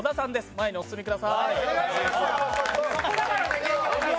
前にお進みください。